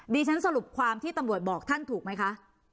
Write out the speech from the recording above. ดิฉันสรุปความที่ตำรวจบอกท่านถูกไหมคะ